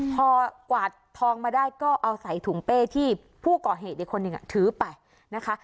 พอกวาดทองมาได้ก็เอาใส่ถุงเป้ที่ผู้ก่อเหตุอีกคนหนึ่งถือไปนะคะ